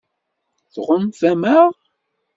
Tɣunfam-aɣ?